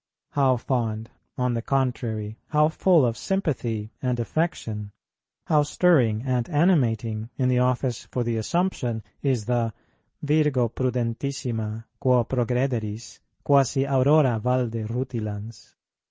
How fond, on the contrary, how full of sympathy and affection, how stirring and animating, in the Office for the Assumption, is the "Virgo prudentissima, quo progrederis, quasi aurora valde rutilans?